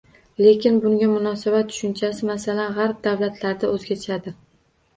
Lekin bunga munosabat tushunchasi, masalan, Gʻarb davlatlarida oʻzgachadir.